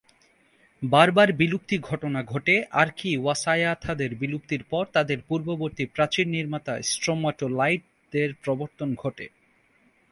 বার বার বিলুপ্তি ঘটনা ঘটে; আর্কিওসায়াথা-দের বিলুপ্তির পর তাদের পূর্ববর্তী প্রাচীর-নির্মাতা স্ট্রোমাটোলাইট-দের প্রত্যাবর্তন ঘটে।